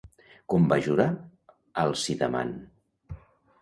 Com va jurar Alcidamant?